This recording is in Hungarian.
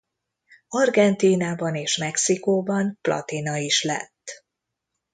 Argentínában és Mexikóban platina is lett.